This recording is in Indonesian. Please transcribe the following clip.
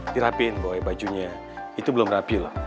dirapiin boy bajunya itu belum rapi loh